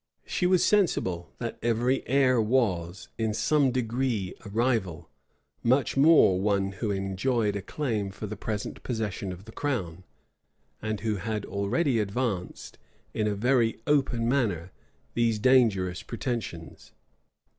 She was sensible that every heir was, in some degree, a rival; much more one who enjoyed a claim for the present possession of the crown, and who had already advanced, in a very open manner, these dangerous pretensions.